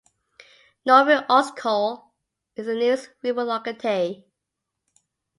Novy Oskol is the nearest rural locality.